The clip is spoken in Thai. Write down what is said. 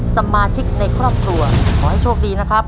สมาชิกในครอบครัวขอให้โชคดีนะครับ